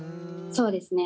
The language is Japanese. そうですね。